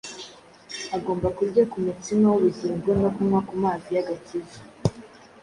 agomba kurya ku mutsima w’ubugingo no kunywa ku mazi y’agakiza.